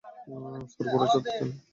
Sir, ঘোড়ায় চড়তে চান?